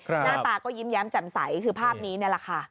หน้าตาก็ยิ้มแย้มแจ่มใสคือภาพนี้นี่แหละค่ะ